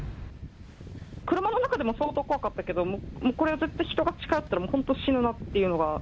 車の中でも相当怖かったけど、これは絶対人が近寄ったら本当死ぬなっていうのが。